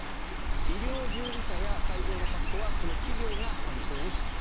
医療従事者や会場の確保はその企業が担当をします。